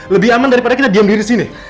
lebih aman daripada kita diem disini